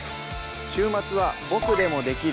週末は「ボクでもできる！